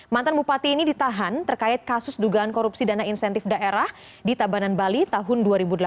mantan bupati ini ditahan terkait kasus dugaan korupsi dana insentif daerah di tabanan bali tahun dua ribu delapan belas